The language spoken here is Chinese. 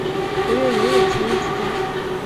我愿永远沈溺其中